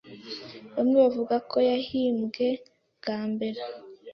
Bamwe bavuga ko yahimbwe bwa mbere